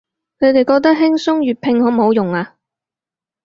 你哋覺得輕鬆粵拼好唔好用啊